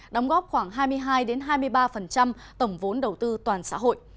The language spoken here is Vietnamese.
đóng góp khoảng hai mươi hai hai mươi ba tổng vốn đầu tư toàn xã hội